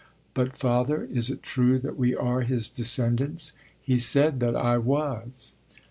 But, Father, is it true that we are his descendants? He said that I was.